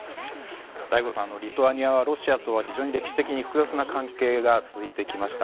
醍醐さん、リトアニアはロシアとは歴史的に複雑な関係が続いてきました。